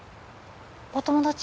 お友達？